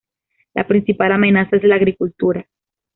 La principal amenaza es la agricultura.